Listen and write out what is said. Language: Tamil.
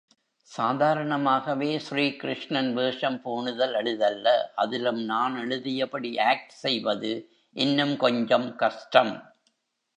சாதாரணமாகவே ஸ்ரீ கிருஷ்ணன் வேஷம் பூணுதல் எளிதல்ல அதிலும் நான் எழுதியபடி ஆக்ட் செய்வது, இன்னும் கொஞ்சம் கஷ்டம்.